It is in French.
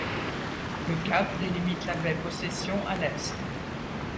Le cap délimite la baie Possession, à l'est.